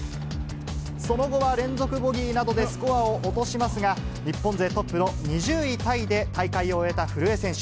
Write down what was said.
その後は、連続ボギーなどでスコアを落としますが、日本勢トップの２０位タイで、大会を終えた古江選手。